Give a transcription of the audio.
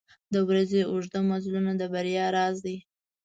• د ورځې اوږده مزلونه د بریا راز دی.